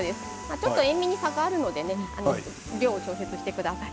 ちょっと塩みに差があるので量を調節してください。